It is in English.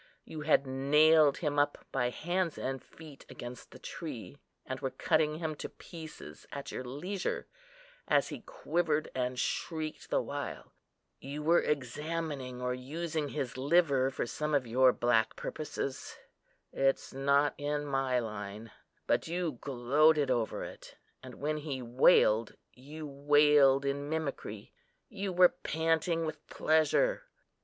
You had nailed him up by hands and feet against the tree, and were cutting him to pieces at your leisure, as he quivered and shrieked the while. You were examining or using his liver for some of your black purposes. It's not in my line; but you gloated over it; and when he wailed, you wailed in mimicry. You were panting with pleasure."